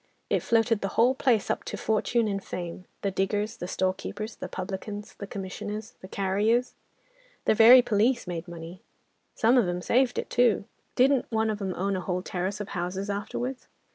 It floated the whole place up to fortune and fame, the diggers, the storekeepers, the publicans, the commissioners, the carriers, the very police made money: some of 'em saved it too. Didn't one of 'em own a whole terrace of houses afterwards?